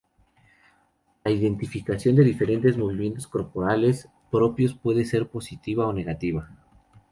La identificación de diferentes movimientos corporales propios puede ser positiva o negativa.